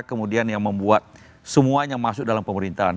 kemudian yang membuat semuanya masuk dalam pemerintahan